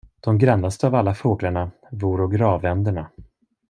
De grannaste av alla fåglarna voro grav-änderna.